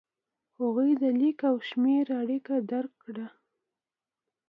هغوی د لیک او شمېر اړیکه درک کړه.